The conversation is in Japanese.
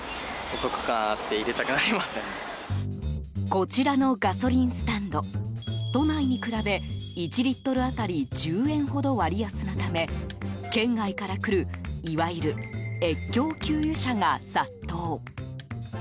こちらのガソリンスタンド都内に比べ１リットル当たり１０円ほど割安なため県外から来るいわゆる越境給油者が殺到。